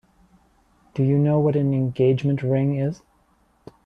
Do you know what an engagement ring is?